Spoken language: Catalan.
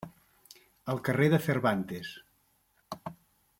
Al carrer de Cervantes.